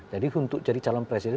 jadi untuk jadi calon presiden